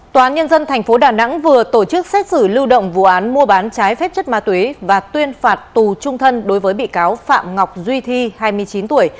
tòa án nhân dân tp đà nẵng vừa tổ chức xét xử lưu động vụ án mua bán trái phép chất ma túy và tuyên phạt tù trung thân đối với bị cáo phạm ngọc duy thi hai mươi chín tuổi